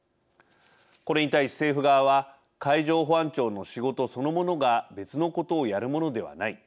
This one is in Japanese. これに対し政府側は海上保安庁の仕事そのものが別のことをやるものではない。